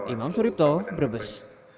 imam suripto brebes